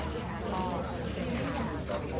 สวัสดีครับ